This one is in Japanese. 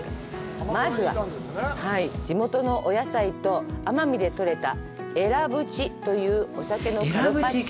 まずは、地元のお野菜と奄美で取れたエラブチというお魚のカルパッチョを。